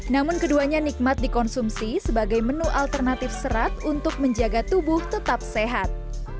namun keduanya nikmat dikonsumsi sebagai menu alternatif serat untuk menjaga tubuh tetap sehat